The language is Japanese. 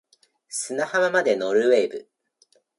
砂浜まで乗る wave